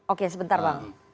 oke sebentar bang